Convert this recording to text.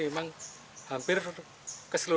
memang hampir keseluruhan